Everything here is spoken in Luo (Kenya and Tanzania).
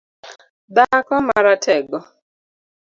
Dhako maratego